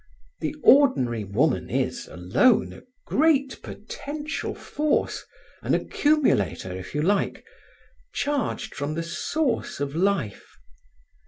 The ordinary woman is, alone, a great potential force, an accumulator, if you like, charged from the source of life.